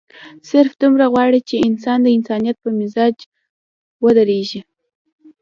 صرف دومره غواړي چې انسان د انسانيت پۀ معراج اودريږي